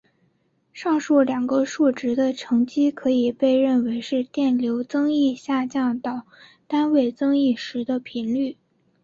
上述两个数值的乘积可以被认为是电流增益下降到单位增益时的频率。